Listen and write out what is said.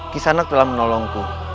kisanak telah menolongku